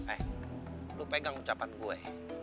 eh lu pegang ucapan gue